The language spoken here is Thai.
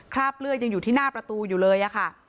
คราบเลือดยังอยู่ที่หน้าประตูอยู่เลยค่ะ